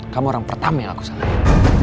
kamu orang pertama yang aku salahin